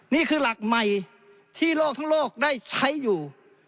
นี่คือหลักใหม่ที่โลกทั้งโลกได้ใช้อยู่